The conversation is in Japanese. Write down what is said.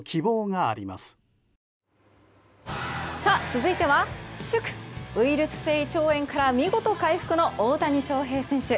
続いては祝ウイルス性胃腸炎から見事、回復の大谷翔平選手。